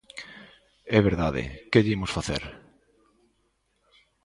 É verdade, ¡que lle imos facer!